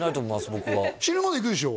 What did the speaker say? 僕は死ぬまで行くでしょ？